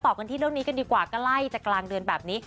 กันที่เรื่องนี้กันดีกว่าก็ไล่จากกลางเดือนแบบนี้